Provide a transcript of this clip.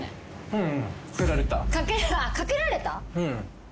うん。